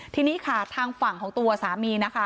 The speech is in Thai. ทีนี้ค่ะทางฝั่งของตัวสามีนะคะ